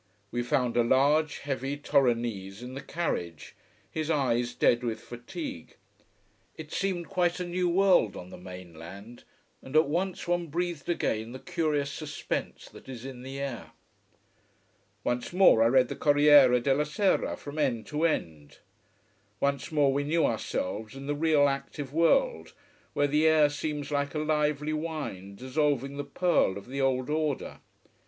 We found a large, heavy Torinese in the carriage, his eyes dead with fatigue. It seemed quite a new world on the mainland: and at once one breathed again the curious suspense that is in the air. Once more I read the Corriere della Sera from end to end. Once more we knew ourselves in the real active world, where the air seems like a lively wine dissolving the pearl of the old order.